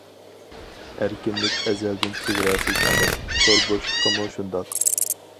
ئەركىنلىك ئەزەلدىن چېگراسىز ئەمەس، تور بوشلۇقىمۇ شۇنداق.